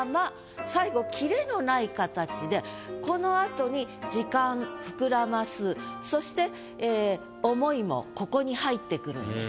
最後このあとに時間ふくらますそして思いもここに入ってくるんです。